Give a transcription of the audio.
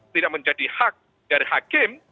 tidak menjadi hak dari hakim